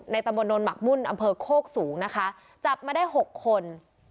ตำบลนนหมักมุ่นอำเภอโคกสูงนะคะจับมาได้๖คน